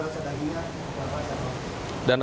rasa dagingnya kenapa rasa dagingnya